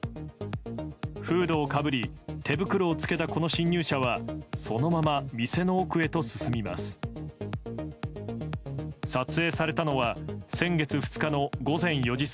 フードをかぶり手袋を着けたこの侵入者はそのまま店の奥へと進みます。